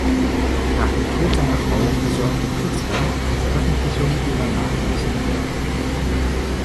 Nach dem Tod seiner Frau besorgte Pritzker die Veröffentlichung ihrer nachgelassenen Werke.